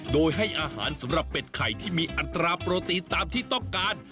โดยให้อาหารสำหรับเป็ดไข่ที่มีอัตราโปรตีนตามที่ต้องการ